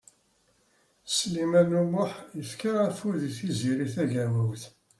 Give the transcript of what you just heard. Sliman U Muḥ yefka afud i Tiziri Tagawawt.